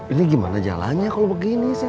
ini gimana jalannya kalau begini